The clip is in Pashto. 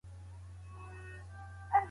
تاسو باید په خپلو کارونو کي تل دقت وکړئ.